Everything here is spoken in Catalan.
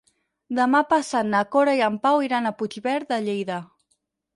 Demà passat na Cora i en Pau iran a Puigverd de Lleida.